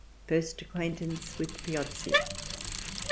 First acquaintance with Piozzi.